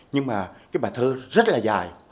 nhưng mà cái bài thơ rất là dài